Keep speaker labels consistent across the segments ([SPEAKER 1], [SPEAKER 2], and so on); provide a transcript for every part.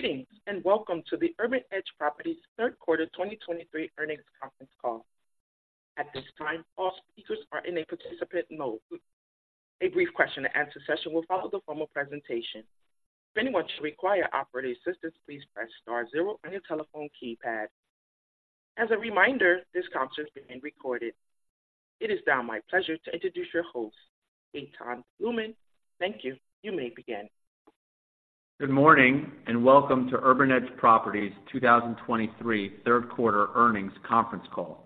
[SPEAKER 1] Greetings, and welcome to the Urban Edge Properties third quarter 2023 earnings conference call. At this time, all speakers are in a participant mode. A brief question and answer session will follow the formal presentation. If anyone should require operator assistance, please press star zero on your telephone keypad. As a reminder, this conference is being recorded. It is now my pleasure to introduce your host, Etan Bluman. Thank you. You may begin.
[SPEAKER 2] Good morning, and welcome to Urban Edge Properties' 2023 third quarter earnings conference call.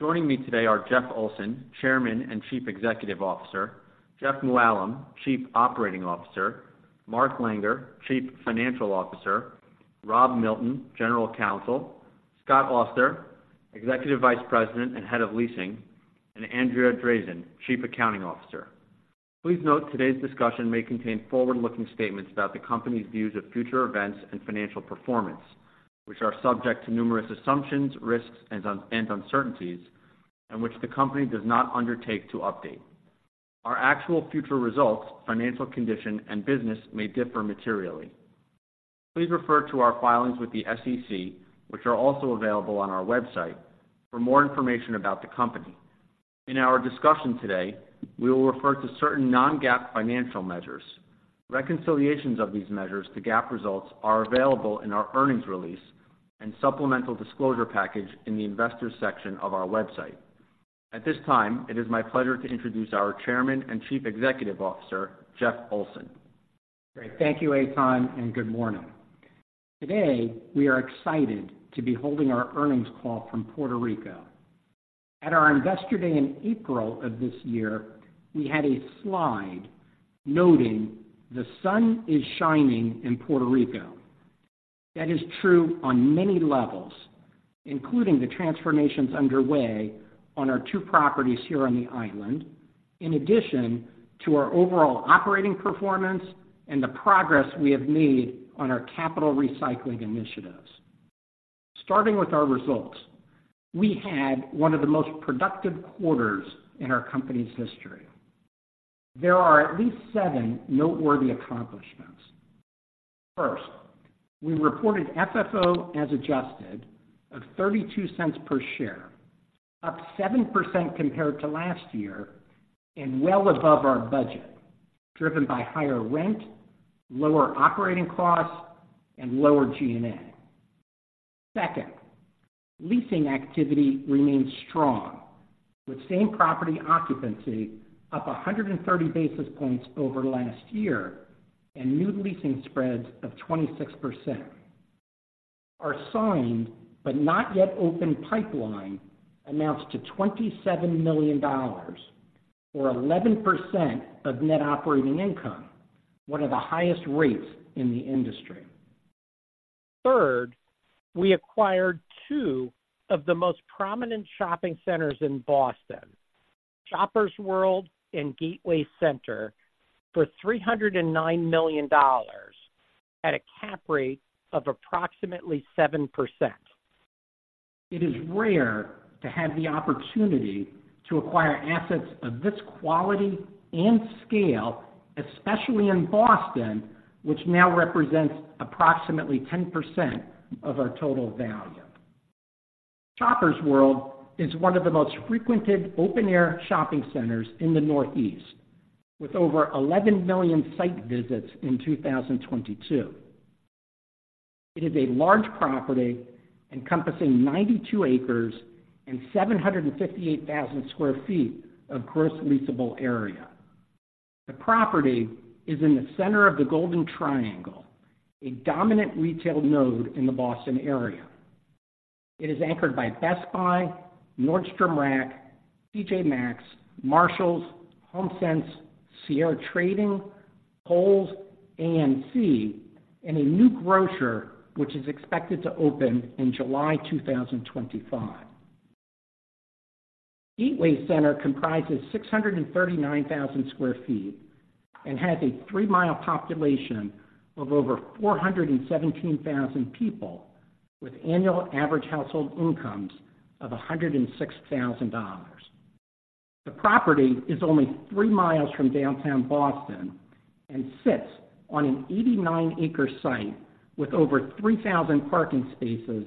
[SPEAKER 2] Joining me today are Jeff Olson, Chairman and Chief Executive Officer, Jeff Mooallem, Chief Operating Officer, Mark Langer, Chief Financial Officer, Rob Milton, General Counsel, Scott Auster, Executive Vice President and Head of Leasing, and Andrea Drazin, Chief Accounting Officer. Please note, today's discussion may contain forward-looking statements about the company's views of future events and financial performance, which are subject to numerous assumptions, risks, and unknowns and uncertainties, and which the company does not undertake to update. Our actual future results, financial condition, and business may differ materially. Please refer to our filings with the SEC, which are also available on our website, for more information about the company. In our discussion today, we will refer to certain non-GAAP financial measures. Reconciliations of these measures to GAAP results are available in our earnings release and supplemental disclosure package in the Investors section of our website. At this time, it is my pleasure to introduce our Chairman and Chief Executive Officer, Jeff Olson.
[SPEAKER 3] Great. Thank you, Etan, and good morning. Today, we are excited to be holding our earnings call from Puerto Rico. At our Investor Day in April of this year, we had a slide noting the sun is shining in Puerto Rico. That is true on many levels, including the transformations underway on our two properties here on the island, in addition to our overall operating performance and the progress we have made on our capital recycling initiatives. Starting with our results, we had one of the most productive quarters in our company's history. There are at least seven noteworthy accomplishments. First, we reported FFO, as adjusted, of $0.32 per share, up 7% compared to last year and well above our budget, driven by higher rent, lower operating costs, and lower G&A. Second, leasing activity remains strong, with same-property occupancy up 130 basis points over last year, and new leasing spreads of 26%. Our signed but not yet open pipeline amounts to $27 million, or 11% of net operating income, one of the highest rates in the industry. Third, we acquired two of the most prominent shopping centers in Boston, Shoppers World and Gateway Center, for $309 million at a cap rate of approximately 7%. It is rare to have the opportunity to acquire assets of this quality and scale, especially in Boston, which now represents approximately 10% of our total value. Shoppers World is one of the most frequented open-air shopping centers in the Northeast, with over 11 million site visits in 2022. It is a large property encompassing 92 acres and 758,000 sq ft of gross leasable area. The property is in the center of the Golden Triangle, a dominant retail node in the Boston area. It is anchored by Best Buy, Nordstrom Rack, TJ Maxx, Marshalls, HomeSense, Sierra Trading, Kohl's, AMC, and a new grocer, which is expected to open in July 2025. Gateway Center comprises 639,000 sq ft and has a 3 mi population of over 417,000 people, with annual average household incomes of $106,000. The property is only 3 mi from downtown Boston and sits on an 89-acre site with over 3,000 parking spaces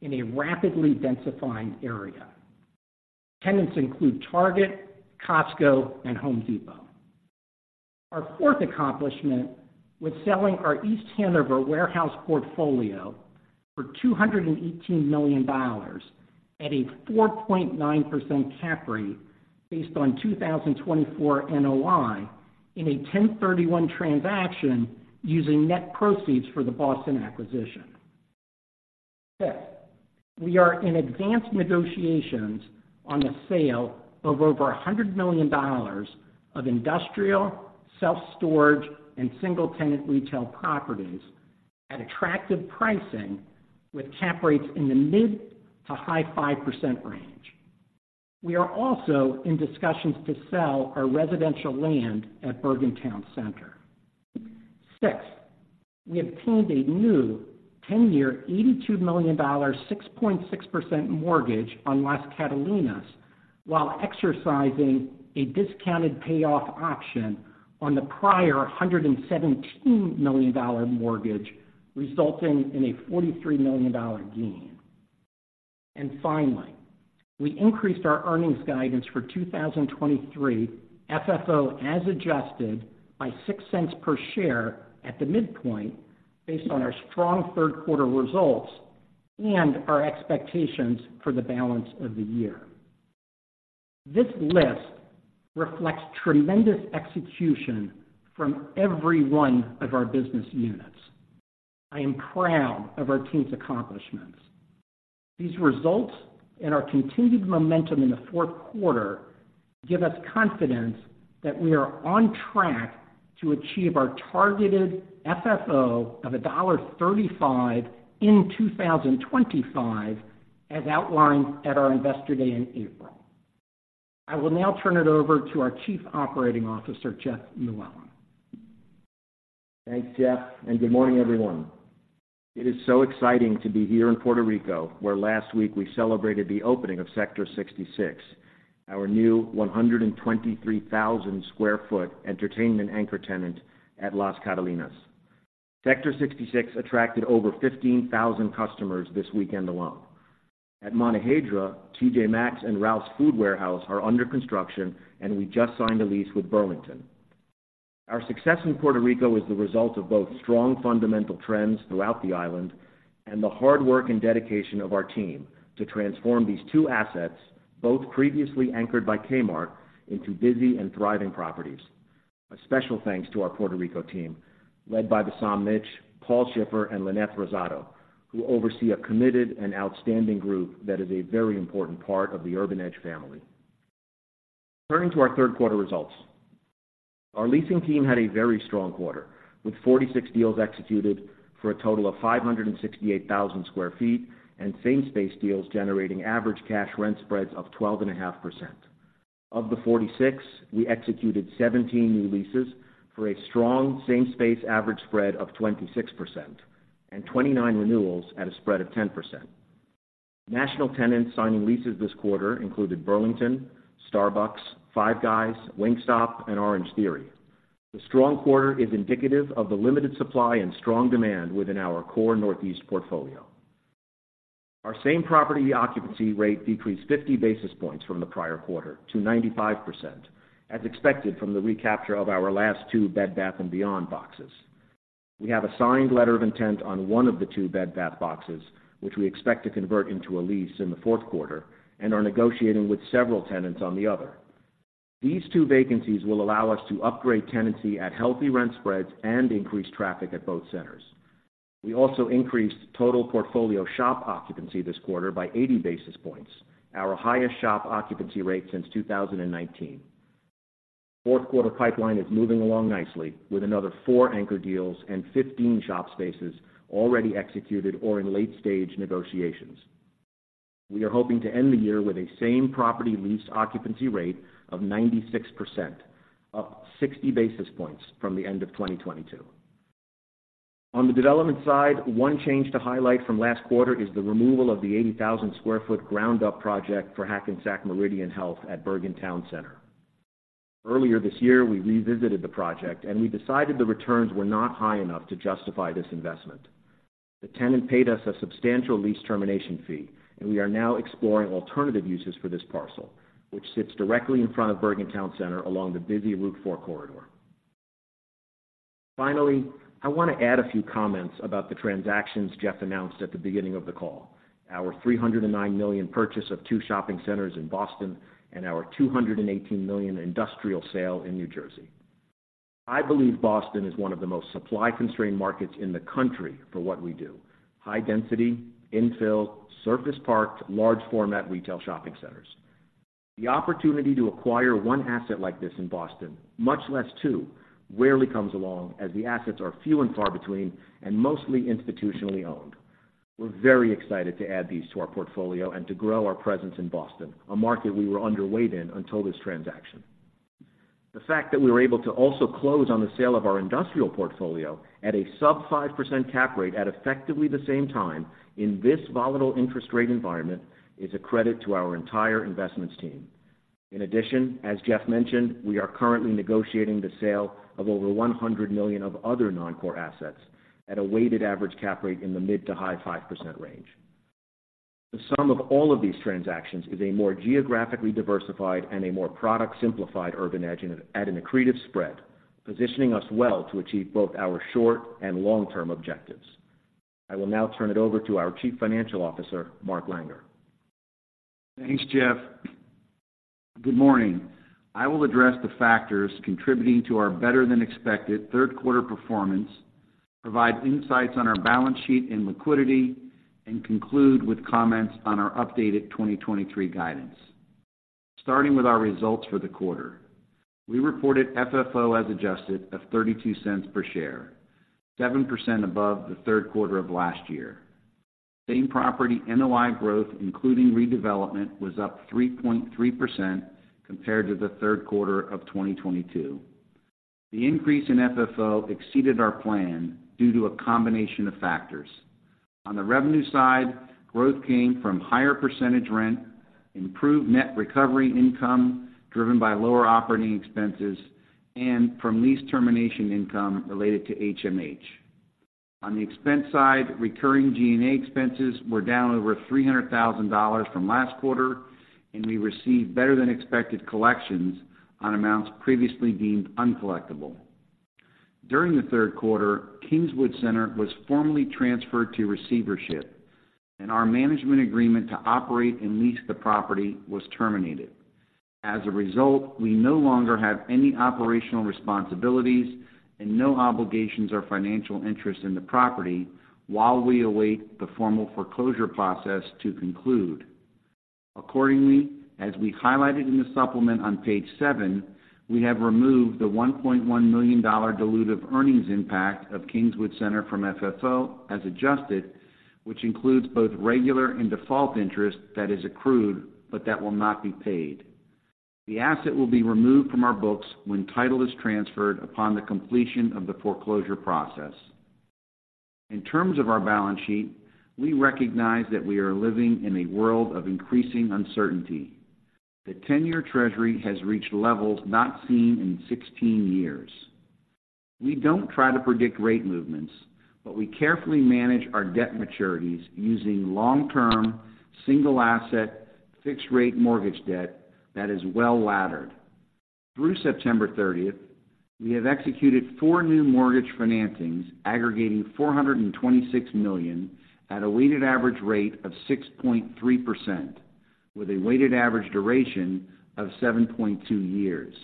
[SPEAKER 3] in a rapidly densifying area. Tenants include Target, Costco, and Home Depot. Our fourth accomplishment was selling our East Hanover warehouse portfolio for $218 million at a 4.9% cap rate based on 2024 NOI in a 1031 transaction, using net proceeds for the Boston acquisition. Fifth, we are in advanced negotiations on the sale of over $100 million of industrial, self-storage, and single-tenant retail properties at attractive pricing, with cap rates in the mid to high-5% range. We are also in discussions to sell our residential land at Bergen Town Center. Sixth, we obtained a new 10-year, $82 million, 6.6% mortgage on Las Catalinas, while exercising a discounted payoff option on the prior $117 million dollar mortgage, resulting in a $43 million dollar gain. And finally, we increased our earnings guidance for 2023 FFO, as adjusted, by $0.06 per share at the midpoint, based on our strong third quarter results and our expectations for the balance of the year. This list reflects tremendous execution from every one of our business units. I am proud of our team's accomplishments. These results and our continued momentum in the fourth quarter give us confidence that we are on track to achieve our targeted FFO of $1.35 in 2025, as outlined at our Investor Day in April. I will now turn it over to our Chief Operating Officer, Jeff Mooallem.
[SPEAKER 4] Thanks, Jeff, and good morning, everyone. It is so exciting to be here in Puerto Rico, where last week we celebrated the opening of Sector 66, our new 123,000 sq ft entertainment anchor tenant at Las Catalinas. Sector 66 attracted over 15,000 customers this weekend alone. At Montehiedra, TJ Maxx and Ralph's Food Warehouse are under construction, and we just signed a lease with Burlington. Our success in Puerto Rico is the result of both strong fundamental trends throughout the island and the hard work and dedication of our team to transform these two assets, both previously anchored by Kmart, into busy and thriving properties. A special thanks to our Puerto Rico team, led by Bassam Mitch, Paul Schiffer, and Linnette Rosado, who oversee a committed and outstanding group that is a very important part of the Urban Edge family. Turning to our third quarter results. Our leasing team had a very strong quarter, with 46 deals executed for a total of 568,000 sq ft, and same space deals generating average cash rent spreads of 12.5%. Of the 46, we executed 17 new leases for a strong same space average spread of 26% and 29 renewals at a spread of 10%. National tenants signing leases this quarter included Burlington, Starbucks, Five Guys, Wingstop, and Orangetheory. The strong quarter is indicative of the limited supply and strong demand within our core Northeast portfolio. Our same property occupancy rate decreased 50 basis points from the prior quarter to 95%, as expected from the recapture of our last two Bed Bath & Beyond boxes. We have a signed letter of intent on one of the two Bed Bath boxes, which we expect to convert into a lease in the fourth quarter, and are negotiating with several tenants on the other. These two vacancies will allow us to upgrade tenancy at healthy rent spreads and increase traffic at both centers. We also increased total portfolio shop occupancy this quarter by 80 basis points, our highest shop occupancy rate since 2019. Fourth quarter pipeline is moving along nicely, with another four anchor deals and 15 shop spaces already executed or in late-stage negotiations. We are hoping to end the year with a same property lease occupancy rate of 96%, up 60 basis points from the end of 2022. On the development side, one change to highlight from last quarter is the removal of the 80,000 sq ft ground-up project for Hackensack Meridian Health at Bergen Town Center. Earlier this year, we revisited the project, and we decided the returns were not high enough to justify this investment. The tenant paid us a substantial lease termination fee, and we are now exploring alternative uses for this parcel, which sits directly in front of Bergen Town Center along the busy Route 4 corridor. Finally, I want to add a few comments about the transactions Jeff announced at the beginning of the call. Our $309 million purchase of two shopping centers in Boston and our $218 million industrial sale in New Jersey. I believe Boston is one of the most supply-constrained markets in the country for what we do: high density, infill, surface parked, large format retail shopping centers. The opportunity to acquire one asset like this in Boston, much less two, rarely comes along, as the assets are few and far between and mostly institutionally owned. We're very excited to add these to our portfolio and to grow our presence in Boston, a market we were underweight in until this transaction. The fact that we were able to also close on the sale of our industrial portfolio at a sub 5% cap rate at effectively the same time in this volatile interest rate environment, is a credit to our entire investments team. In addition, as Jeff mentioned, we are currently negotiating the sale of over $100 million of other non-core assets at a weighted average cap rate in the mid to high-5% range. The sum of all of these transactions is a more geographically diversified and a more product-simplified Urban Edge at an accretive spread, positioning us well to achieve both our short- and long-term objectives. I will now turn it over to our Chief Financial Officer, Mark Langer.
[SPEAKER 5] Thanks, Jeff. Good morning. I will address the factors contributing to our better-than-expected third quarter performance, provide insights on our balance sheet and liquidity, and conclude with comments on our updated 2023 guidance. Starting with our results for the quarter. We reported FFO, as adjusted, of $0.32 per share, 7% above the third quarter of last year. Same Property NOI growth, including redevelopment, was up 3.3% compared to the third quarter of 2022. The increase in FFO exceeded our plan due to a combination of factors. On the revenue side, growth came from higher percentage rent, improved net recovery income, driven by lower operating expenses, and from lease termination income related to HMH. On the expense side, recurring G&A expenses were down over $300,000 from last quarter, and we received better-than-expected collections on amounts previously deemed uncollectible. During the third quarter, Kingswood Center was formally transferred to receivership, and our management agreement to operate and lease the property was terminated. As a result, we no longer have any operational responsibilities and no obligations or financial interest in the property while we await the formal foreclosure process to conclude. Accordingly, as we highlighted in the supplement on Page 7, we have removed the $1.1 million dilutive earnings impact of Kingswood Center from FFO, as adjusted, which includes both regular and default interest that is accrued, but that will not be paid. The asset will be removed from our books when title is transferred upon the completion of the foreclosure process. In terms of our balance sheet, we recognize that we are living in a world of increasing uncertainty. The 10-year treasury has reached levels not seen in 16 years. We don't try to predict rate movements, but we carefully manage our debt maturities using long-term, single-asset, fixed-rate mortgage debt that is well-laddered. Through September 30th, we have executed 4 new mortgage financings aggregating $426 million at a weighted average rate of 6.3%, with a weighted average duration of 7.2 years.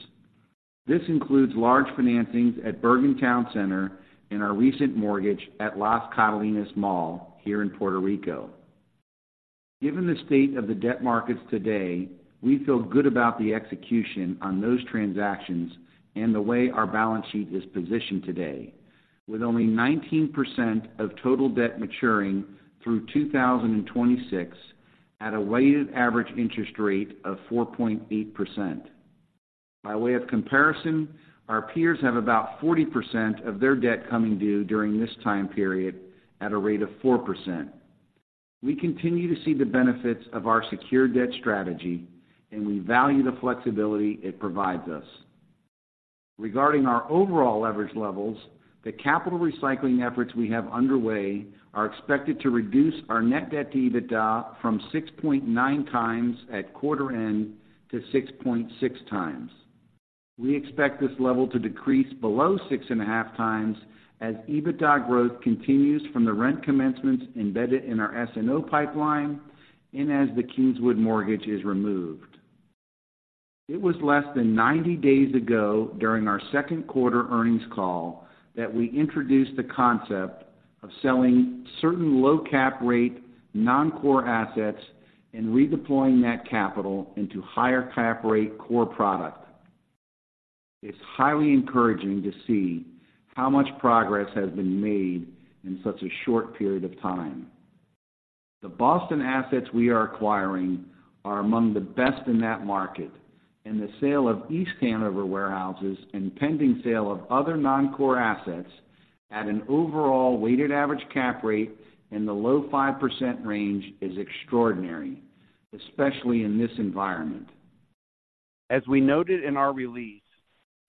[SPEAKER 5] This includes large financings at Bergen Town Center and our recent mortgage at Las Catalinas Mall here in Puerto Rico. Given the state of the debt markets today, we feel good about the execution on those transactions and the way our balance sheet is positioned today, with only 19% of total debt maturing through 2026 at a weighted average interest rate of 4.8%. By way of comparison, our peers have about 40% of their debt coming due during this time period at a rate of 4%. We continue to see the benefits of our secure debt strategy, and we value the flexibility it provides us. Regarding our overall leverage levels, the capital recycling efforts we have underway are expected to reduce our net debt to EBITDA from 6.9x at quarter end to 6.6x. We expect this level to decrease below 6.5x as EBITDA growth continues from the rent commencements embedded in our SNO pipeline and as the Kingswood mortgage is removed. It was less than 90 days ago, during our second quarter earnings call, that we introduced the concept of selling certain low cap rate, noncore assets and redeploying that capital into higher cap rate core product. It's highly encouraging to see how much progress has been made in such a short period of time. The Boston assets we are acquiring are among the best in that market, and the sale of East Hanover warehouses and pending sale of other noncore assets at an overall weighted average cap rate in the low 5% range is extraordinary, especially in this environment. As we noted in our release,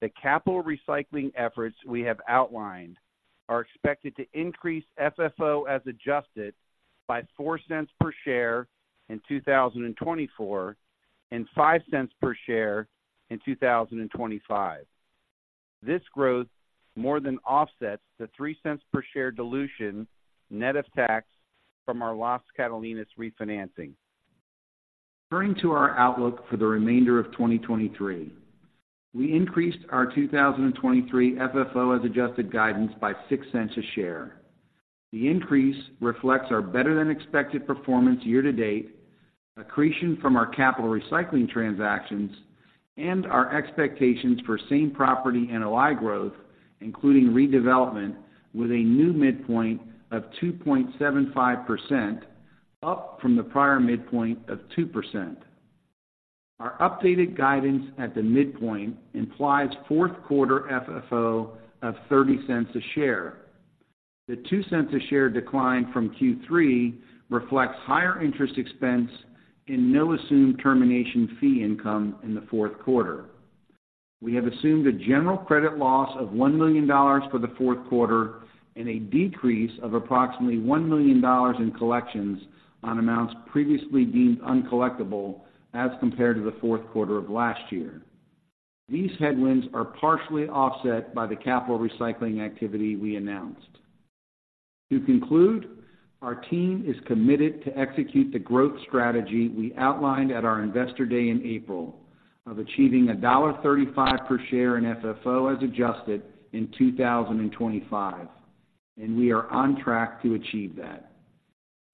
[SPEAKER 5] the capital recycling efforts we have outlined are expected to increase FFO as adjusted by $0.04 per share in 2024 and $0.05 per share in 2025. This growth more than offsets the $0.03 per share dilution net of tax from our Las Catalinas refinancing. Turning to our outlook for the remainder of 2023. We increased our 2023 FFO as adjusted guidance by $0.06 a share. The increase reflects our better-than-expected performance year to date, accretion from our capital recycling transactions, and our expectations for Same Property NOI growth, including redevelopment, with a new midpoint of 2.75%, up from the prior midpoint of 2%. Our updated guidance at the midpoint implies fourth quarter FFO of $0.30 a share. The $0.02 a share decline from Q3 reflects higher interest expense and no assumed termination fee income in the fourth quarter. We have assumed a general credit loss of $1 million for the fourth quarter and a decrease of approximately $1 million in collections on amounts previously deemed uncollectible as compared to the fourth quarter of last year. These headwinds are partially offset by the capital recycling activity we announced. To conclude, our team is committed to execute the growth strategy we outlined at our Investor Day in April of achieving $1.35 per share in FFO as adjusted in 2025, and we are on track to achieve that.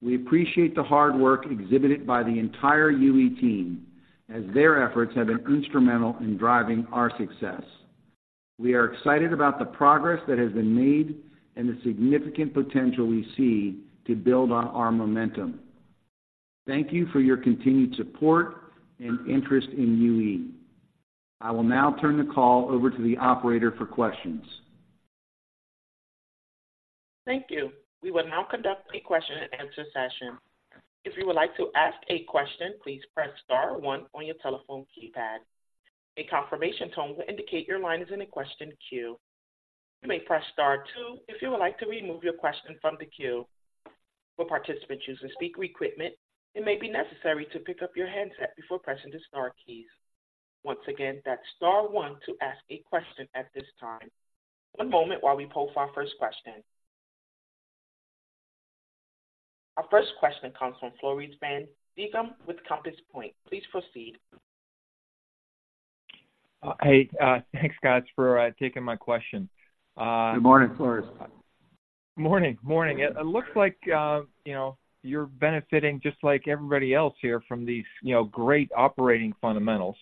[SPEAKER 5] We appreciate the hard work exhibited by the entire UE team, as their efforts have been instrumental in driving our success. We are excited about the progress that has been made and the significant potential we see to build on our momentum. Thank you for your continued support and interest in UE. I will now turn the call over to the operator for questions.
[SPEAKER 1] Thank you. We will now conduct a question and answer session. If you would like to ask a question, please press star one on your telephone keypad. A confirmation tone will indicate your line is in a question queue. You may press star two if you would like to remove your question from the queue. For participants using speaker equipment, it may be necessary to pick up your handset before pressing the star keys. Once again, that's star one to ask a question at this time. One moment while we poll for our first question. Our first question comes from Floris van Dijkum with Compass Point. Please proceed.
[SPEAKER 6] Hey, thanks, guys, for taking my question.
[SPEAKER 3] Good morning, Floris.
[SPEAKER 6] Morning. It looks like, you know, you're benefiting just like everybody else here from these, you know, great operating fundamentals.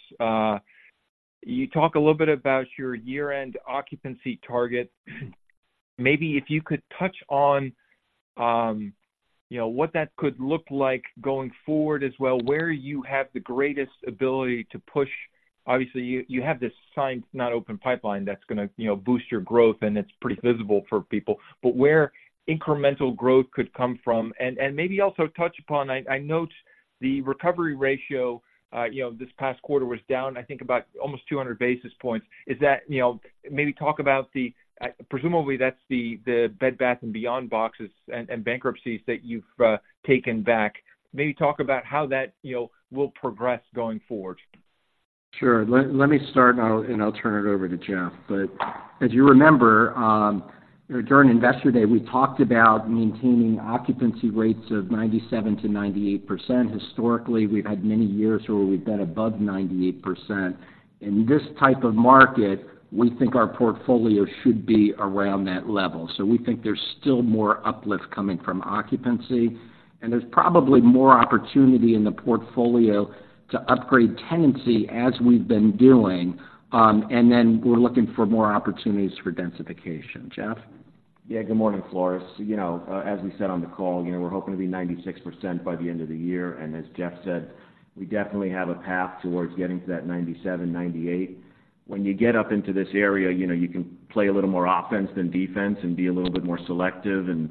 [SPEAKER 6] You talk a little bit about your year-end occupancy target. Maybe if you could touch on, you know, what that could look like going forward as well, where you have the greatest ability to push. Obviously, you have this signed, not open pipeline that's going to, you know, boost your growth, and it's pretty visible for people, but where incremental growth could come from. And maybe also touch upon, I note the recovery ratio, you know, this past quarter was down, I think, about almost 200 basis points. Is that, you know, maybe talk about the... Presumably, that's the Bed Bath & Beyond boxes and bankruptcies that you've taken back. Maybe talk about how that, you know, will progress going forward.
[SPEAKER 3] Sure. Let me start, and I'll turn it over to Jeff. But as you remember, during Investor Day, we talked about maintaining occupancy rates of 97%-98%. Historically, we've had many years where we've been above 98%. In this type of market, we think our portfolio should be around that level. So we think there's still more uplift coming from occupancy, and there's probably more opportunity in the portfolio to upgrade tenancy as we've been doing, and then we're looking for more opportunities for densification. Jeff?
[SPEAKER 4] Yeah, good morning, Floris. You know, as we said on the call, you know, we're hoping to be 96% by the end of the year, and as Jeff said, we definitely have a path towards getting to that 97%, 98%. When you get up into this area, you know, you can play a little more offense than defense and be a little bit more selective and,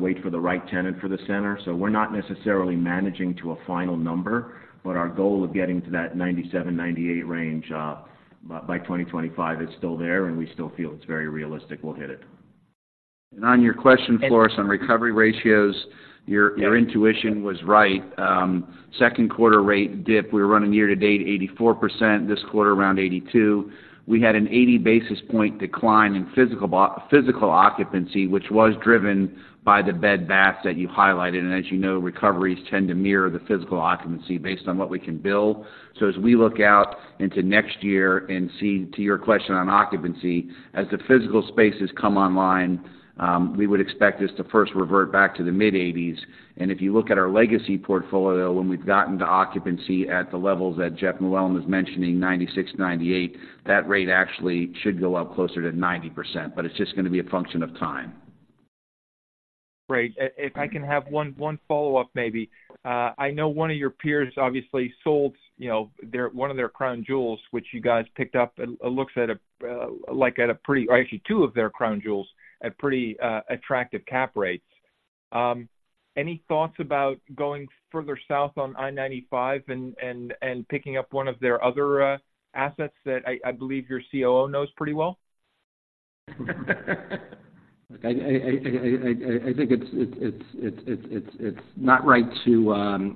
[SPEAKER 4] wait for the right tenant for the center. So we're not necessarily managing to a final number, but our goal of getting to that 97%-98% range, by 2025 is still there, and we still feel it's very realistic we'll hit it.
[SPEAKER 3] And on your question, Floris, on recovery ratios, your, your intuition was right. Second quarter rate dip, we were running year to date, 84%. This quarter, around 82%. We had an 80 basis point decline in physical occupancy, which was driven by the Bed Bath that you highlighted. And as you know, recoveries tend to mirror the physical occupancy based on what we can build. So as we look out into next year and see, to your question on occupancy, as the physical spaces come online, we would expect this to first revert back to the mid-80s. And if you look at our legacy portfolio, when we've gotten to occupancy at the levels that Jeff Olson was mentioning, 96%, 98%, that rate actually should go up closer to 90%, but it's just going to be a function of time.
[SPEAKER 6] Great. If I can have one follow-up, maybe. I know one of your peers obviously sold, you know, their one of their crown jewels, which you guys picked up. It looks at a, like at a pretty... Or actually two of their crown jewels at pretty attractive cap rates. Any thoughts about going further south on I-95 and picking up one of their other assets that I believe your COO knows pretty well?
[SPEAKER 3] I think it's not right to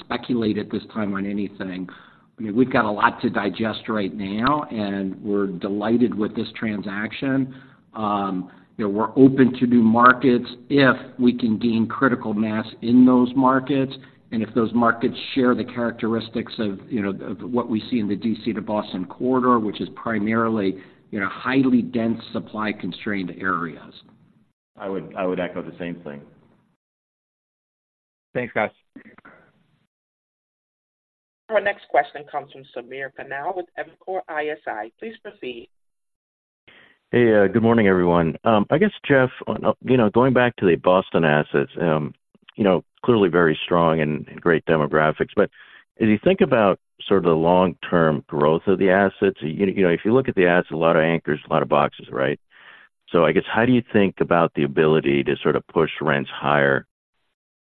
[SPEAKER 3] speculate at this time on anything. I mean, we've got a lot to digest right now, and we're delighted with this transaction. You know, we're open to new markets if we can gain critical mass in those markets and if those markets share the characteristics of, you know, of what we see in the D.C. to Boston corridor, which is primarily, you know, highly dense, supply-constrained areas.
[SPEAKER 4] I would echo the same thing.
[SPEAKER 6] Thanks, guys.
[SPEAKER 1] Our next question comes from Samir Khanal with Evercore ISI. Please proceed.
[SPEAKER 7] Hey, good morning, everyone. I guess, Jeff, on, you know, going back to the Boston assets, you know, clearly very strong and great demographics. But as you think about sort of the long-term growth of the assets, you know, if you look at the assets, a lot of anchors, a lot of boxes, right? So I guess, how do you think about the ability to sort of push rents higher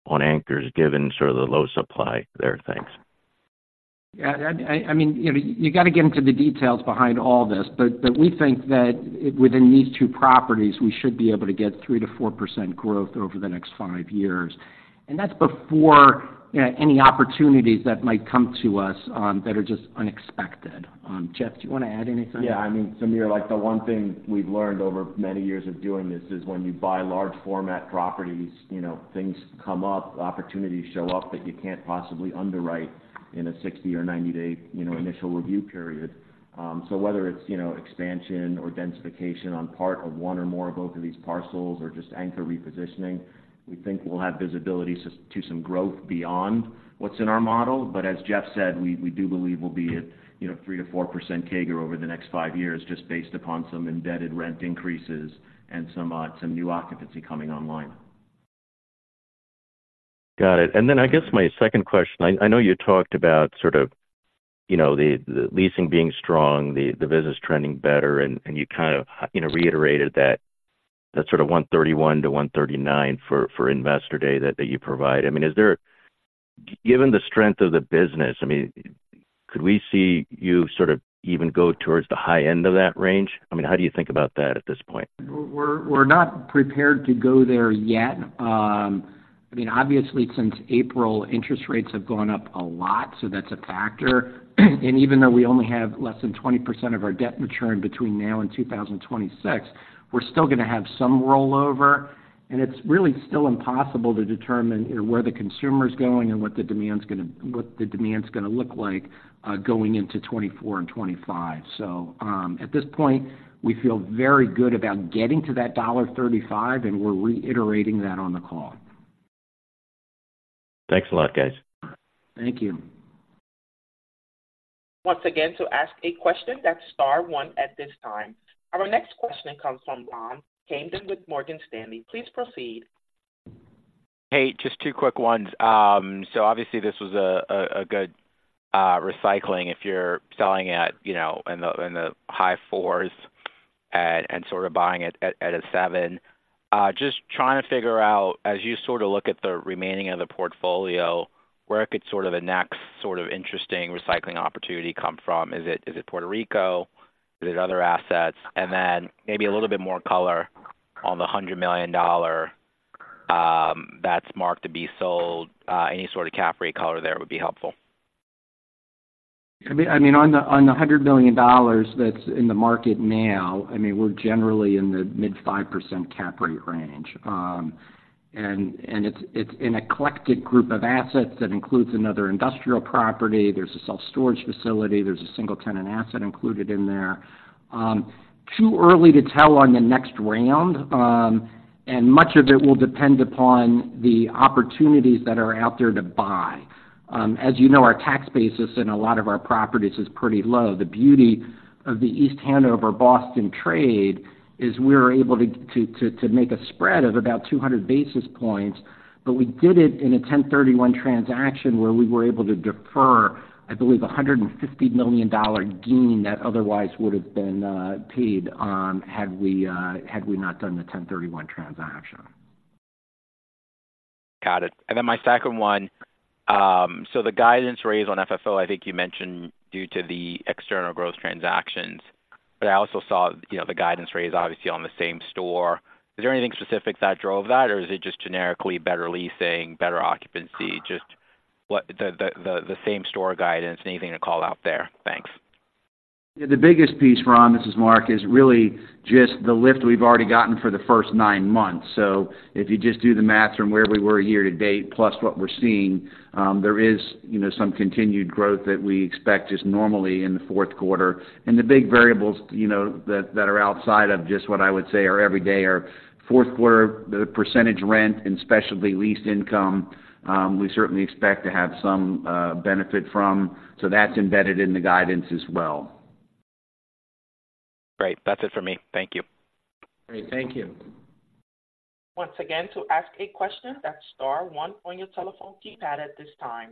[SPEAKER 7] on anchors, given sort of the low supply there? Thanks.
[SPEAKER 3] Yeah, I mean, you know, you got to get into the details behind all this, but we think that within these two properties, we should be able to get 3%-4% growth over the next five years. And that's before any opportunities that might come to us that are just unexpected. Jeff, do you want to add anything?
[SPEAKER 4] Yeah, I mean, Samir, like, the one thing we've learned over many years of doing this is when you buy large format properties, you know, things come up, opportunities show up that you can't possibly underwrite in a 60 or 90-day, you know, initial review period. So whether it's, you know, expansion or densification on part of one or more of both of these parcels or just anchor repositioning, we think we'll have visibility to some growth beyond what's in our model. But as Jeff said, we, we do believe we'll be at, you know, 3%-4% CAGR over the next five years, just based upon some embedded rent increases and some, some new occupancy coming online.
[SPEAKER 7] Got it. And then I guess my second question, I know you talked about sort of, you know, the leasing being strong, the business trending better, and you kind of, you know, reiterated that sort of $1.31-$1.39 for Investor Day that you provide. I mean, is there, given the strength of the business, I mean, could we see you sort of even go towards the high end of that range? I mean, how do you think about that at this point?
[SPEAKER 3] We're not prepared to go there yet. I mean, obviously, since April, interest rates have gone up a lot, so that's a factor. Even though we only have less than 20% of our debt maturing between now and 2026, we're still gonna have some rollover, and it's really still impossible to determine where the consumer is going and what the demand's gonna look like, going into 2024 and 2025. So, at this point, we feel very good about getting to that $35, and we're reiterating that on the call.
[SPEAKER 7] Thanks a lot, guys.
[SPEAKER 3] Thank you.
[SPEAKER 1] Once again, to ask a question, that's star one at this time. Our next question comes from Ron Kamdem with Morgan Stanley. Please proceed.
[SPEAKER 8] Hey, just two quick ones. So obviously, this was a good recycling if you're selling at, you know, in the high 4s and sort of buying it at a seven. Just trying to figure out, as you sort of look at the remaining of the portfolio, where could sort of a next sort of interesting recycling opportunity come from? Is it Puerto Rico? Is it other assets? And then maybe a little bit more color on the $100 million that's marked to be sold. Any sort of cap rate color there would be helpful.
[SPEAKER 3] I mean, on the $100 million that's in the market now, I mean, we're generally in the mid-5% cap rate range. And it's an eclectic group of assets that includes another industrial property. There's a self-storage facility, there's a single tenant asset included in there. Too early to tell on the next round, and much of it will depend upon the opportunities that are out there to buy. As you know, our tax basis in a lot of our properties is pretty low. The beauty of the East Hanover Boston trade is we're able to make a spread of about 200 basis points, but we did it in a 1031 transaction, where we were able to defer, I believe, a $150 million gain that otherwise would have been paid had we not done the 1031 transaction.
[SPEAKER 8] Got it. And then my second one. So the guidance raise on FFO, I think you mentioned, due to the external growth transactions, but I also saw, you know, the guidance raise obviously on the same store. Is there anything specific that drove that, or is it just generically better leasing, better occupancy? Just what the same store guidance, anything to call out there? Thanks.
[SPEAKER 5] Yeah, the biggest piece, Ron, this is Mark, is really just the lift we've already gotten for the first nine months. So if you just do the math from where we were year to date, plus what we're seeing, there is, you know, some continued growth that we expect just normally in the fourth quarter. And the big variables, you know, that, that are outside of just what I would say are every day are fourth quarter, the percentage rent and specialty lease income, we certainly expect to have some benefit from. So that's embedded in the guidance as well.
[SPEAKER 8] Great. That's it for me. Thank you.
[SPEAKER 3] Great, thank you.
[SPEAKER 1] Once again, to ask a question, that's star one on your telephone keypad at this time.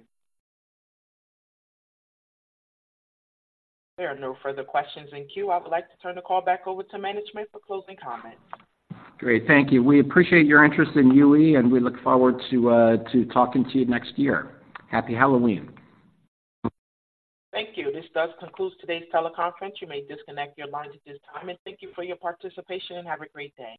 [SPEAKER 1] There are no further questions in queue. I would like to turn the call back over to management for closing comments.
[SPEAKER 3] Great, thank you. We appreciate your interest in UE, and we look forward to talking to you next year. Happy Halloween!
[SPEAKER 1] Thank you. This does conclude today's teleconference. You may disconnect your lines at this time, and thank you for your participation and have a great day.